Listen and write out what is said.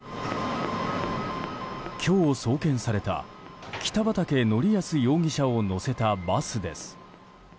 今日、送検された北畠成文容疑者を乗せたバスです。